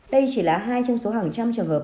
đây chỉ là hai trong số hàng trăm trường hợp